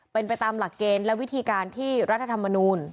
เป็นไปตามหลักเกณฑ์และวิธีการที่รัฐธรรมนูล